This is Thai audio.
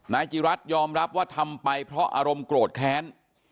นายจิรัตยอมรับว่าทำไปเพราะอารมณ์โกรธแค้น